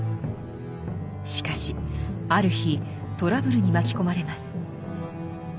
しかしある日トラブルに巻き込まれます。